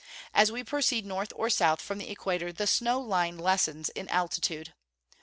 As we proceed north or south from the equator the snow line lessens in altitude.